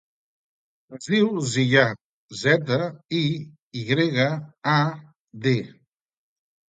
Es diu Ziyad: zeta, i, i grega, a, de.